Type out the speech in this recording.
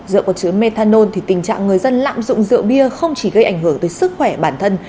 dựa vào chứa methanol thì tình trạng người dân lạm dụng rượu bia không chỉ gây ảnh hưởng tới sức khỏe bản thân